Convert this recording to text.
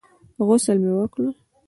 غسل مې وکړ.